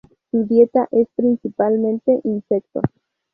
Su dieta es principalmente insectos.